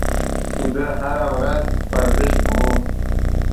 زه هره ورځ ورزش کوم